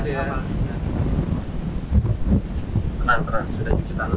tenang tenang sudah cuci tangan